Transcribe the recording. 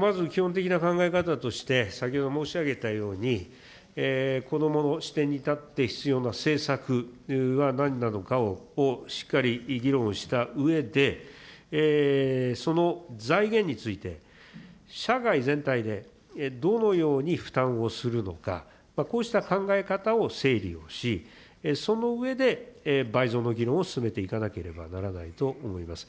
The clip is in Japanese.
まず基本的な考え方として、先ほど申し上げたように、子どもの視点に立って必要な政策は何なのかを、しっかり議論をしたうえで、その財源について、社会全体でどのように負担をするのか、こうした考え方を整理をし、その上で、倍増の議論を進めていかなければならないと思います。